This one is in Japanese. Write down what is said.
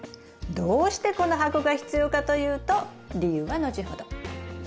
どうしてこの箱が必要かというと理由は後ほど。